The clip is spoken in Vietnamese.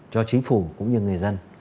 cho chính phủ cũng như người dân